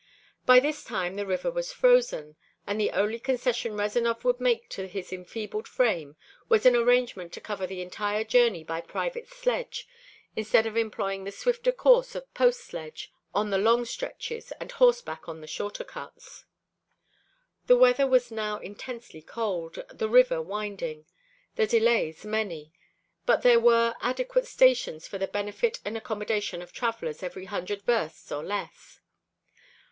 By this time the river was frozen, and the only concession Rezanov would make to his enfeebled frame was an arrangement to cover the entire journey by private sledge instead of employing the swifter course of post sledge on the long stretches and horseback on the shorter cuts. The weather was now intensely cold, the river winding, the delays many, but there were adequate stations for the benefit and accommodation of travelers every hundred versts or less.